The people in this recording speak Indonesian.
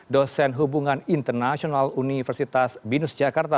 dosen hubungan internasional universitas binus jakarta